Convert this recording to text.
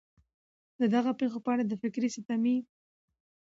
د دغه پېښو په اړه د فکري ، سمتي